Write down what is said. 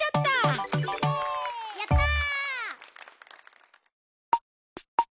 やった！